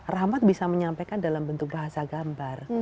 rahmat bisa menyampaikan dalam bentuk bahasa gambar